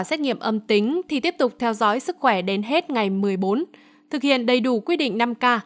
xét nghiệm âm tính thì tiếp tục theo dõi sức khỏe đến hết ngày một mươi bốn thực hiện đầy đủ quy định năm k